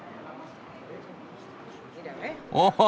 おお！